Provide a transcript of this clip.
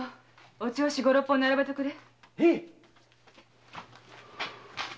お銚子五・六本並べとくれ。